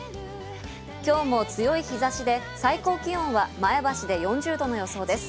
今日も強い日差しで、最高気温は前橋で４０度の予想です。